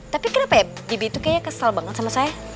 tapi kenapa ya bibi itu kayaknya kesal banget sama saya